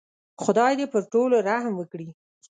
خدای دې پر ټولو رحم وکړي.